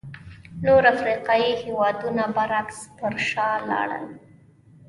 نور افریقایي هېوادونه برعکس پر شا لاړل.